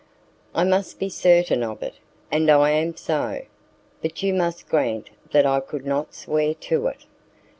"I must be certain of it, and I am so; but you must grant that I could not swear to it."